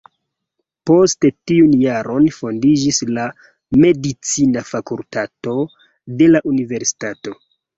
Poste tiun jaron fondiĝis la medicina fakultato de la universitato.